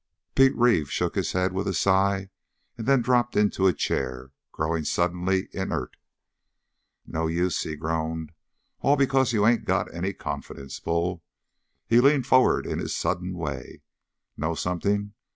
Pete Reeve shook his head with a sigh and then dropped into a chair, growing suddenly inert. "No use," he groaned. "All because you ain't got any confidence, Bull." He leaned forward in his sudden way. "Know something?